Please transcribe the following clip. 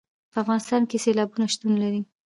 په افغانستان کې سیلابونه شتون لري.